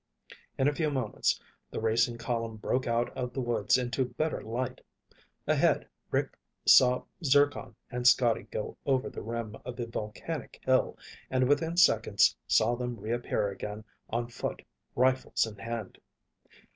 In a few moments the racing column broke out of the woods into better light. Ahead, Rick saw Zircon and Scotty go over the rim of the volcanic hill, and within seconds saw them reappear again on foot, rifles in hand.